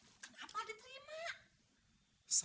insya allah nanti mas dirahim bekerja